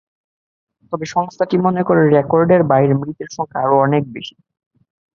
তবে সংস্থাটি মনে করে, রেকর্ডের বাইরে মৃতের সংখ্যা আরও অনেক বেশি।